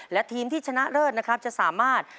และทีมที่ชนะเลิศนะครับจะสามารถ